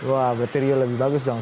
wah berarti rio lebih bagus dong